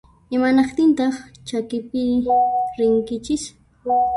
Imanaqtintaq chakipiri rinkichis?